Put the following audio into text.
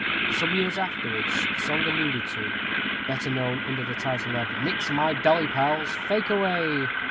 Some years afterwards, the song alluded to, better known under the title of "_Nix My Dolly, Pals, Fake Away!